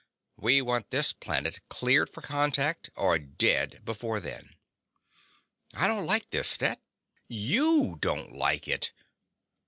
We want this planet cleared for contact or dead before then." "I don't like this, Stet." "YOU don't like it!"